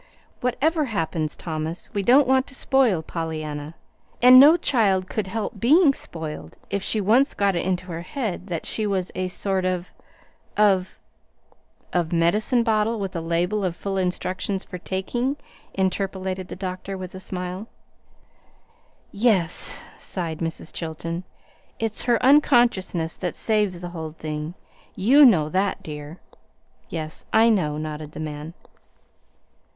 Whatever happens, Thomas, we don't want to spoil Pollyanna; and no child could help being spoiled if she once got it into her head that she was a sort of of " "Of medicine bottle with a label of full instructions for taking?" interpolated the doctor, with a smile. "Yes," sighed Mrs. Chilton. "It's her unconsciousness that saves the whole thing. YOU know that, dear." "Yes, I know," nodded the man.